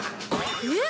えっ？